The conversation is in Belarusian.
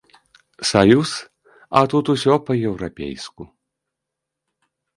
Саюз, а тут усё па-еўрапейску.